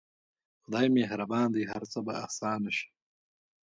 خداى مهربان دى هر څه به اسانه سي.